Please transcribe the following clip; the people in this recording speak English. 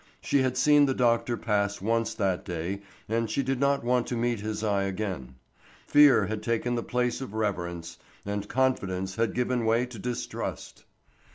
She had seen the doctor pass once that day and she did not want to meet his eye again. Fear had taken the place of reverence, and confidence had given way to distrust.